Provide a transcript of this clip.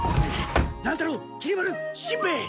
乱太郎きり丸しんべヱ！